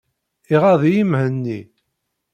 Iɣaḍ-iyi Mhenni.